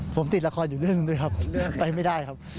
ผมติดละครอยู่เรื่องด้วยครับไปไม่ได้ครับ